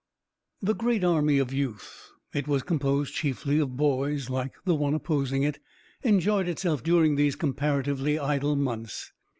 The great army of youth it was composed chiefly of boys, like the one opposing it enjoyed itself during these comparatively idle months.